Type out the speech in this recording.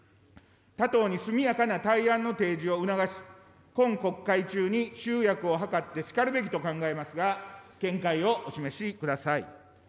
他党に速やかな対案の提示を促し、今国会中に集約を図ってしかるべきと考えますが、見解をお示しください。